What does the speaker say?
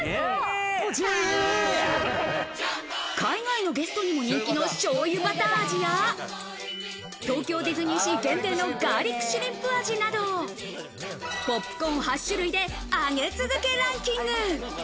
海外のゲストにも人気のしょうゆバター味や、東京ディズニーシー限定のガーリックシュリンプ味など、ポップコーン８種類で上げ続けランキング。